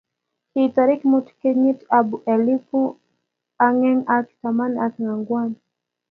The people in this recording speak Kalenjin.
Kii tarik mut kenyit ab elpu aeng ak taman ak ang'wan